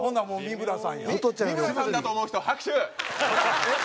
三村さんだと思う人拍手！